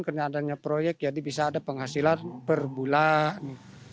karena adanya proyek jadi bisa ada penghasilan per bulan